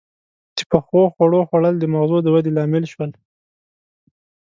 • د پخو خوړو خوړل د مغزو د ودې لامل شول.